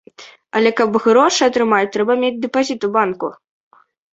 Але каб грошы атрымаць, трэба мець дэпазіт у банку.